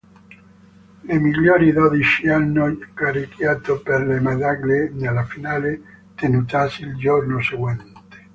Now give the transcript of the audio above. Le migliori dodici hanno gareggiato per le medaglie nella finale tenutasi il giorno seguente.